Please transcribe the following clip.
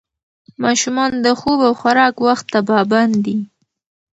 ماشومان د خوب او خوراک وخت ته پابند دي.